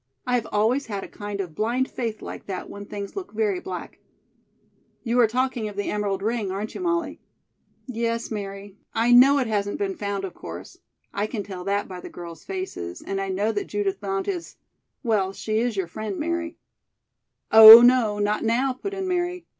I have always had a kind of blind faith like that when things look very black." "You are talking of the emerald ring, aren't you, Molly?" "Yes, Mary. I know it hasn't been found, of course. I can tell that by the girls' faces, and I know that Judith Blount is well, she is your friend, Mary " "Oh, no; not now," put in Mary.